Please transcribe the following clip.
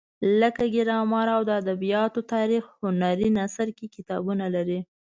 لکه ګرامر او د ادبیاتو تاریخ هنري نثر کې کتابونه لري.